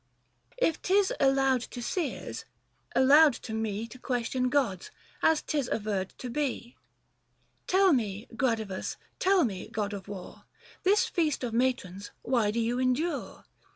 If 'tis allowed to seers, allowed to me To question gods — as 'tis averred to be, Tell me, Gradivus — tell me, god of war, This Feast of Matrons, why do you endure